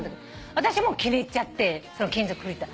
私もう気に入っちゃって金属フィルター。